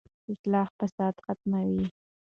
اصلاح فساد ختموي.